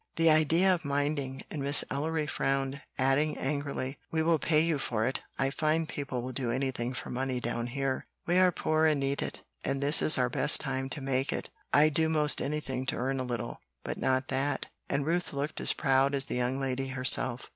"The idea of minding!" and Miss Ellery frowned, adding angrily, "We will pay you for it. I find people will do anything for money down here." "We are poor and need it, and this is our best time to make it. I'd do most anything to earn a little, but not that;" and Ruth looked as proud as the young lady herself.